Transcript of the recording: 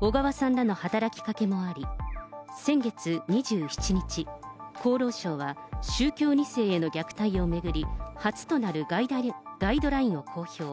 小川さんらの働きかけもあり、先月２７日、厚労省は、宗教２世への虐待を巡り、初となるガイドラインを公表。